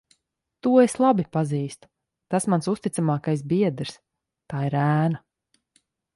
To es labi pazīstu. Tas mans uzticamākais biedrs. Tā ir ēna.